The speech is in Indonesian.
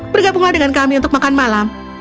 bergabunglah dengan kami untuk makan malam